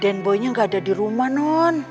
dan boy nya gak ada di rumah non